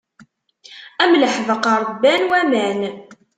Am leḥbeq ṛebban waman.